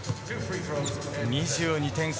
２２点差。